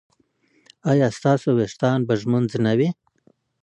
ایا ستاسو ویښتان به ږمنځ نه وي؟